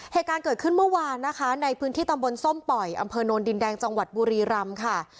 เหตุการณ์เกิดขึ้นเมื่อวานนะคะในพื้นที่ตำบลส้มป่อยอำเภอโนนดินแดงจังหวัดบุรีรำค่ะ